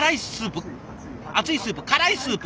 辛いスープ？